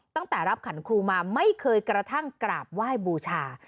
ตั้งแต่รับขันครูมาไม่เคยกระทั่งกราบไหว้บูชา